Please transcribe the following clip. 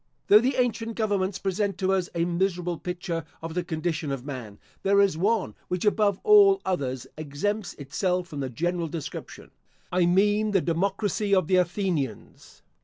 Though the ancient governments present to us a miserable picture of the condition of man, there is one which above all others exempts itself from the general description. I mean the democracy of the Athenians.